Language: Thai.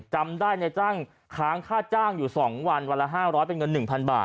จำได้นายจ้างค้างค่าจ้างอยู่สองวันวันละห้าร้อยเป็นเงินหนึ่งพันบาท